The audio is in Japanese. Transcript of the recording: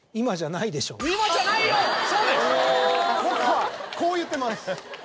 僕はこう言ってます。